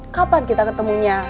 kapan kita ketemunya